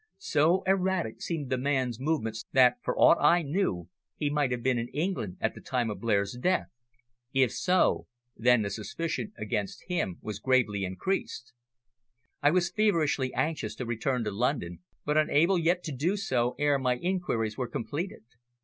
So erratic seemed the man's movements that, for aught I knew, he might have been in England at the time of Blair's death if so, then the suspicion against him was gravely increased. I was feverishly anxious to return to London, but unable yet to do so ere my inquiries were completed.